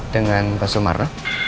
dengan pak sumarno